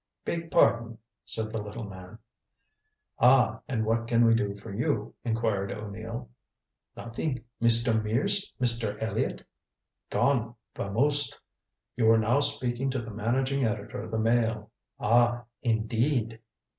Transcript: "Beg pardon," said the little man. "Ah, and what can we do for you?" inquired O'Neill. "Nothing. Mr. Mears? Mr. Elliott?" "Gone. Vamosed. You are now speaking to the managing editor of the Mail." "Ah. Indeed?"